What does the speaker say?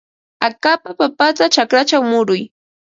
Akapa papata chakrachaw muruy.